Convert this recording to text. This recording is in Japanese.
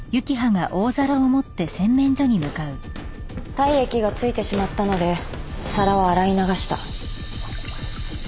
体液が付いてしまったので皿を洗い流した。